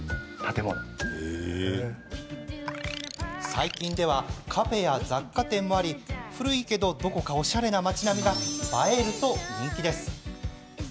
最近では、カフェや雑貨店もあり古いけど、どこかおしゃれな町並みが映えると人気です。